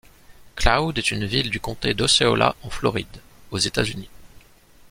Cloud est une ville du comté d'Osceola en Floride, aux États-Unis.